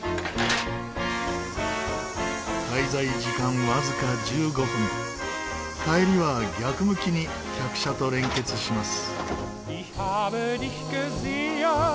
滞在時間わずか１５分帰りは逆向きに客車と連結します。